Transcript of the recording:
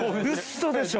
嘘でしょ！